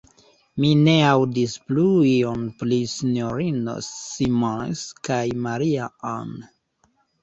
Mi ne aŭdis plu ion pri S-ino Simons kaj Maria-Ann.